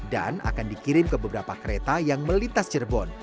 dan akan dikirim ke beberapa kereta yang melintas cirebon